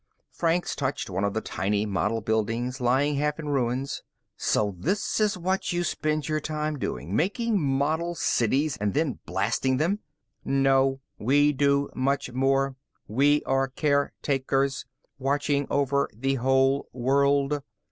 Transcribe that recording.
Franks touched one of the tiny model buildings, lying half in ruins. "So this is what you spend your time doing making model cities and then blasting them." "No, we do much more. We are caretakers, watching over the whole world.